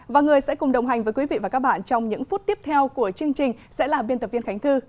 và người sẽ cùng đồng hành với quý vị và các bạn trong những phút tiếp theo của chương trình sẽ là biên tập viên khánh thư